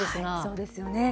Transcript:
そうですよね。